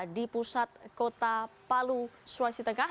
di pusat kota palu sulawesi tengah